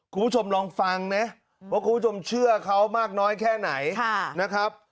คุณผู้ชมลองฟังนะว่าคุณผู้ชมเชื่อเขามากน้อยแค่ไหนนะครับ